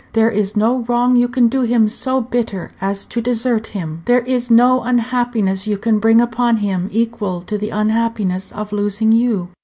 There is no wrong you can do him so bitter as to desert him. There is no unhappiness you can bring upon him equal to the unhappiness of losing you.